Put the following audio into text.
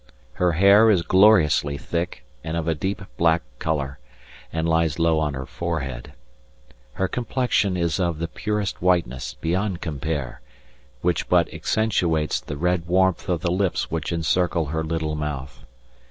Her hair is gloriously thick and of a deep black colour, and lies low on her forehead. Her complexion is of the purest whiteness beyond compare, which but accentuates the red warmth of the lips which encircle her little mouth.